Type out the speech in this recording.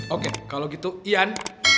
oke kalau gitu yan